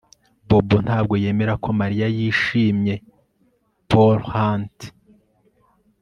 Bobo ntabwo yemera ko Mariya yishimye pauldhunt